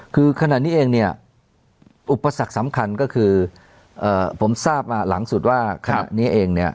คือขณะนี้เองเนี่ยอุปสรรคสำคัญก็คือผมทราบมาหลังสุดว่าขณะนี้เองเนี่ย